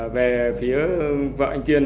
về phía vợ anh kiên